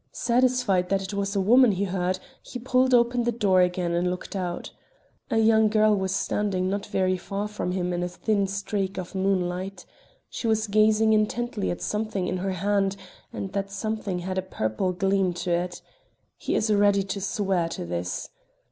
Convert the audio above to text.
Satisfied that it was a woman he heard, he pulled open the door again and looked out. A young girl was standing not very far from him in a thin streak of moonlight. She was gazing intently at something in her hand, and that something had a purple gleam to it. He is ready to swear to this.